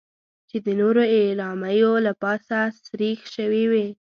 چې د نورو اعلامیو له پاسه سریښ شوې وې.